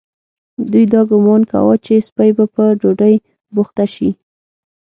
دوی دا ګومان کاوه چې سپۍ به په ډوډۍ بوخته شي.